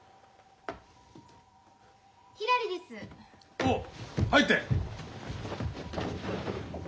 おっ入って！